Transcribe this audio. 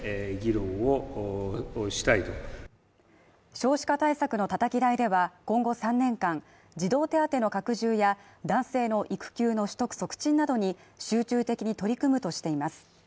少子化対策のたたき台では、今後３年間、児童手当の拡充や男性の育休の取得促進などに集中的に取り組むとしています。